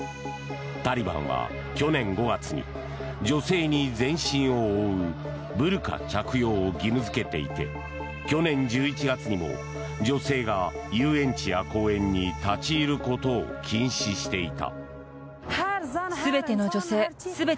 タリバンは去年５月に女性に全身を覆うブルカ着用を義務付けていて去年１１月にも女性が遊園地や公園に立ち入ることを禁止していた。